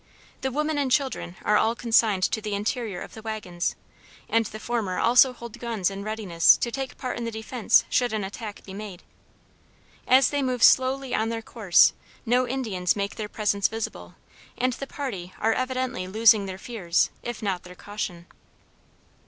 The women and children are all consigned to the interior of the wagons and the former also hold guns in readiness to take part in the defense should an attack be made. As they move slowly on their course no Indians make their presence visible and the party are evidently losing their fears if not their caution.